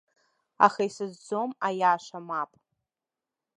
Аха исызӡом аиаша, мап!